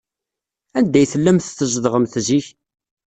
Anda ay tellamt tzedɣemt zik?